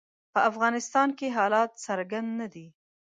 په افغانستان کې حالات څرګند نه دي.